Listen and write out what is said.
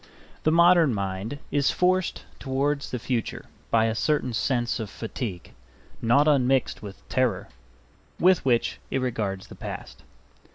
The modern mind is forced towards the future by a certain sense of fatigue, not unmixed with terror, with which it regards the past.